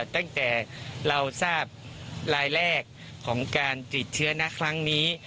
ตั้งแต่เราทราบรายแรกของการติดเชื้อนะครั้งนี้